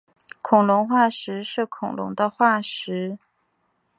恐龙化石是恐龙的化石。